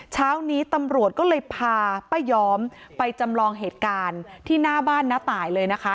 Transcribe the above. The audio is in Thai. เช้านี้ตำรวจก็เลยพาป้าย้อมไปจำลองเหตุการณ์ที่หน้าบ้านน้าตายเลยนะคะ